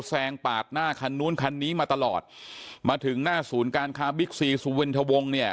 แซงปาดหน้าคันนู้นคันนี้มาตลอดมาถึงหน้าศูนย์การค้าบิ๊กซีสุเวนทวงเนี่ย